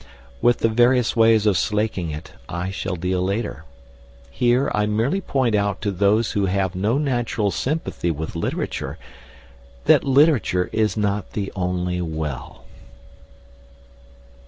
With the various ways of slaking I shall deal later. Here I merely point out to those who have no natural sympathy with literature that literature is not the only well.